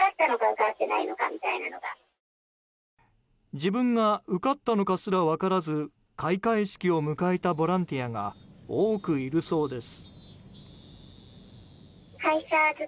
自分が受かったのかすら分からず開会式を迎えたボランティアが多くいるそうです。